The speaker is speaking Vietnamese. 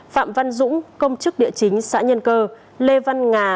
phạm văn dũng công chức địa chính xã nhân cơ lê văn ngà